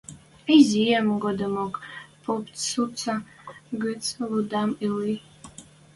Изиэм годымок поп цуца гӹц лӱдӓм ыльы.